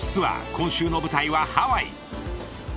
今週の舞台はハワイ。